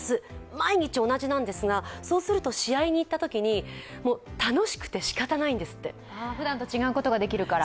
毎日同じなんですが、そうすると試合に行ったときに楽しくてしかたないんですって。ふだんと違うことができるから。